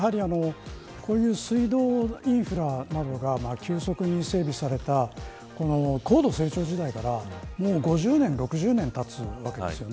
こういう水道インフラは急速に整備された高度成長時代からもう５０年、６０年たちます。